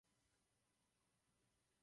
Máme je u Pána.